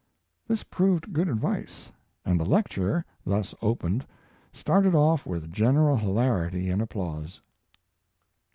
This proved good advice, and the lecture, thus opened, started off with general hilarity and applause.